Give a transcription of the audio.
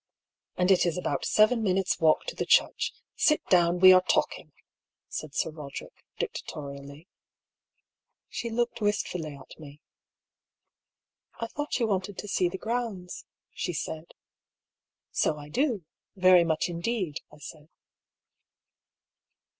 " And it is about seven minutes' walk to the church. Sit down, we are talking," said Sir Eoderick, dictato rially. She looked wistfully at me. *' I thought you wanted to see the grounds," she said. " So I do, very much indeed," I said.